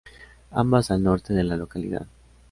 Ambas al norte de la localidad.